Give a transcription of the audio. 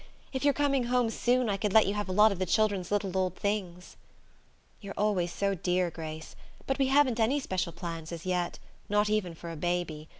If you're coming home soon I could let you have a lot of the children's little old things." "You're always so dear, Grace. But we haven't any special plans as yet not even for a baby.